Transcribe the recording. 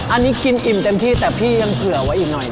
อันนี้กินอิ่มเต็มที่แต่พี่ยังเผื่อไว้อีกหน่อยนะ